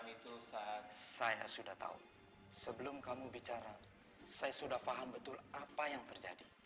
ketika kita berdua kita tidak bisa menemukan keti